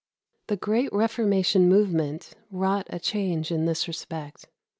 The great Reformation movement wrought a change in this respect.